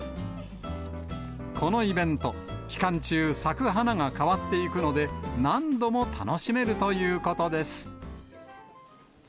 このイベント、期間中、咲く花が変わっていくので、何度も楽しめるということです。